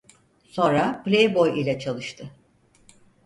Sonra Playboy ile çalıştı.